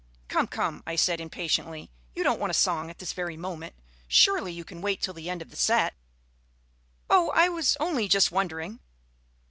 "Come, come," I said impatiently, "you don't want a song at this very moment. Surely you can wait till the end of the set?" "Oh, I was only just wondering."